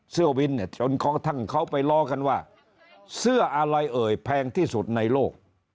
เสื้อวินเนี่ยจนกระทั่งเขาไปล้อกันว่าเสื้ออะไรเอ่ยแพงที่สุดในโลก